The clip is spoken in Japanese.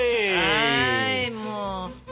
はいもう。